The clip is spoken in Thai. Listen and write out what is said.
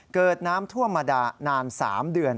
เกิดน้ำท่วมมานาน๓เดือน